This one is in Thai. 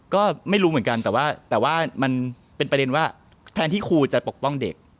ก็ไม่รู้เหมือนกันแต่ว่ามันเป็นประเด็นว่าแทนที่ครูจะปกป้องเด็ก